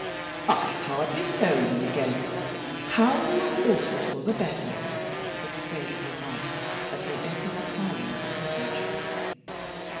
"I hardly know you again. How you are altered for the better!" exclaimed Lomaque, as they entered the parlor of the cottage.